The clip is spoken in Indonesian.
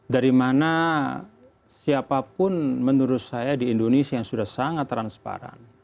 dari mana siapapun menurut saya di indonesia yang sudah sangat transparan